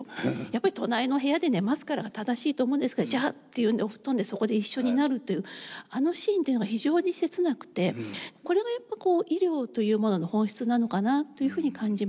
やっぱり「隣の部屋で寝ますから」が正しいと思うんですが「じゃあ」っていうんでお布団でそこで一緒になるというあのシーンというのが非常に切なくてこれがやっぱこう医療というものの本質なのかなというふうに感じました。